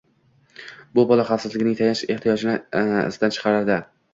– bu bola xavfsizligining tayanch ehtiyojini izdan chiqaradi